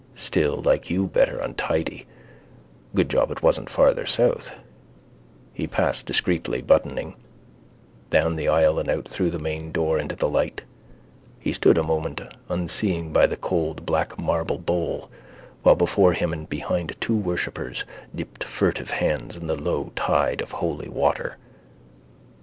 Still like you better untidy. Good job it wasn't farther south. He passed, discreetly buttoning, down the aisle and out through the main door into the light. He stood a moment unseeing by the cold black marble bowl while before him and behind two worshippers dipped furtive hands in the low tide of holy water.